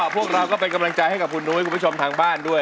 พวกเราก็เป็นกำลังใจให้กับคุณนุ้ยคุณผู้ชมทางบ้านด้วย